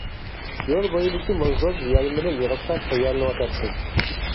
يول بويىدىكى موزدۇز يايمىنى يىغىشقا تەييارلىنىۋاتاتتى.